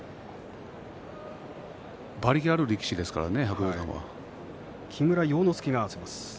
馬力のある力士ですからね。